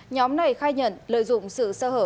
nhóm này khai nhận lợi dụng sự sơ hở